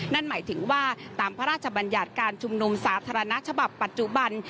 นั่นหมายถึงว่าตามพระราชบัญญัติการชุมนุมสาธารณะฉบับปัจจุบัน